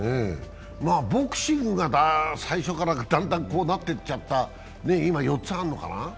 ボクシングが最初からだんだんこうなっいっちゃった、今４つあるのかな。